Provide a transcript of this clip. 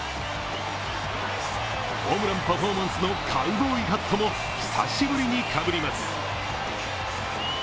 ホームランパフォーマンスのカウボーイハットも久しぶりにかぶります。